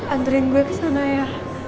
anterin gue kesana ya